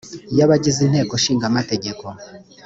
y abagize inteko ishinga amategeko